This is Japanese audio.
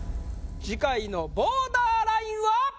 次回のボーダーラインは！